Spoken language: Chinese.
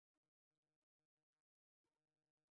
这些飞机据信是正在进行交付前的检验工作。